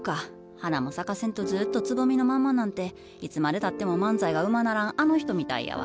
花も咲かせんとずっとつぼみのまんまなんていつまでたっても漫才がうまならんあの人みたいやわ。